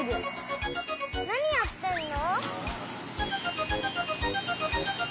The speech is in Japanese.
なにやってんの？